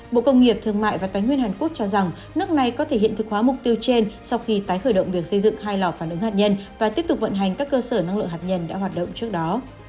bộ công nghiệp thương mại và tái nguyên hàn quốc cho rằng nước này có thể hiện thực hóa mục tiêu trên sau khi tái khởi động việc xây dựng hai lò phản ứng hạt nhân và tiếp tục vận hành các cơ sở năng lượng hạt nhân đã hoạt động trước đó